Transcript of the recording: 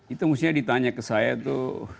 itu maksudnya ditanya ke saya itu